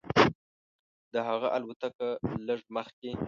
د هغه الوتکه لږ مخکې.